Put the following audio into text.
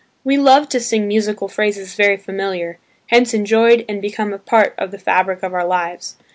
We love to sing musical phrases very familiar, hence enjoyed and become a part of the fabric of our lives.